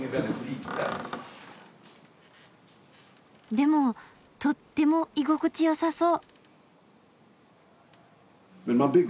でもとっても居心地よさそう。